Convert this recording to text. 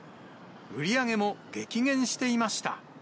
売り上げも激減していました。